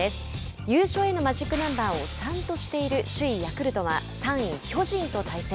優勝へのマジックナンバーを３としている首位ヤクルトは３位巨人と対戦。